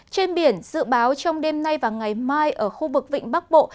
trên biển dự báo trong đêm nay và ngày mai ở khu vực vịnh bắc bộ